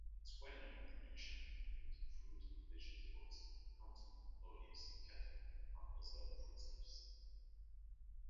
Its well-known production includes fruit and vegetables, cotton, olives, cattle and other foodstuffs.